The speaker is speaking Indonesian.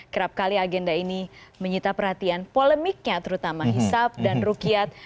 kerap kali agenda ini menyita perhatian polemiknya terutama hisap dan rukyat